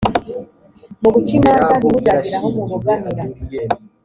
mu guca imanza ntimuzagire aho mubogamira